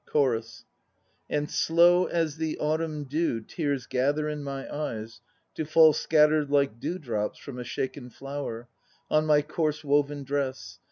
CHORUS. And slow as the autumn dew Tears gather in my eyes, to fall Scattered like dewdrops from a shaken flower On my coarse woven dress.